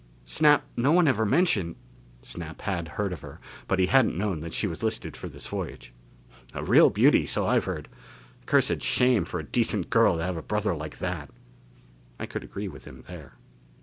Snap, no one ever mentioned " Snap had heard of her, but he hadn't known that she was listed for this voyage. "A real beauty, so I've heard. Accursed shame for a decent girl to have a brother like that." I could agree with him there....